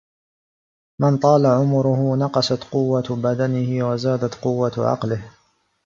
مَنْ طَالَ عُمُرُهُ نَقَصَتْ قُوَّةُ بَدَنِهِ وَزَادَتْ قُوَّةُ عَقْلِهِ